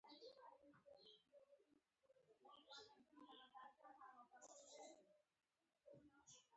ساینسي کشفیات او د زده کړې بهیر چټک شو.